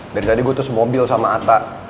dari tadi gue terus mobil sama atta